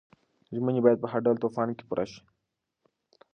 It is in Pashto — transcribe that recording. ژمنې باید په هر ډول طوفان کې پوره شي.